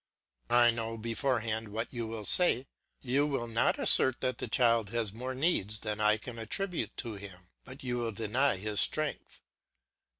I know beforehand what you will say. You will not assert that the child has more needs than I attribute to him, but you will deny his strength.